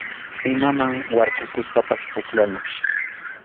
Imaman warkukuspapas pukllana.